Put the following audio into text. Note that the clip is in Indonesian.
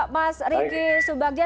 mas ricky subagja